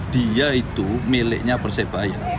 dia itu miliknya persebaya